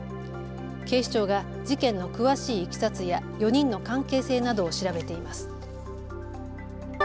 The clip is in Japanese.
警視庁が事件の詳しいいきさつや４人の関係性などを調べています。